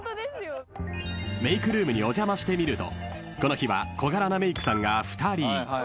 ［メイクルームにお邪魔してみるとこの日は小柄なメイクさんが２人］